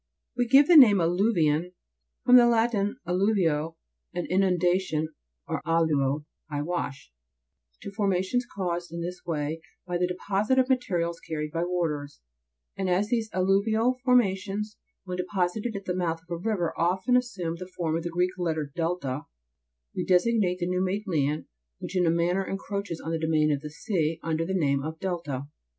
19. We give the name of alluvium (from the Latin, alluvio, an inundation, or alluo, I wash) to formations caused in this way by the deposite of materials carried by waters, and as these alluvial formations, when deposited at the mouth of a river, often assume the form of the Greek letter A delta, we designate the new made land, which in a manner encroaches on the domain of the sea, under the name of delta.